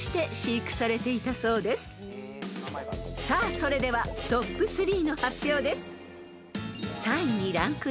［さあそれではＴＯＰ３の発表です］